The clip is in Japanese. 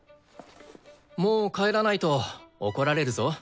もう帰らないと怒られるぞ。